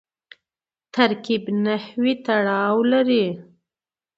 ترکیب نحوي تړاو لري.